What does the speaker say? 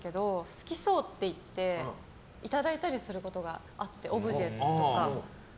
好きそうって言っていただいたりすることがあってオブジェとか。